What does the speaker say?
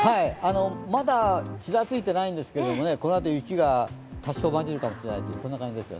まだ、ちらついていないんですけれども、このあと、雪が多少混じるかもしれない感じですね。